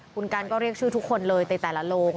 คุณกันก็เรียกชื่อทุกคนเลยในแต่ละโรง